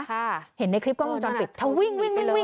เห็นตอนในคลิปกล้องกองจอมปิดทะวิ่ง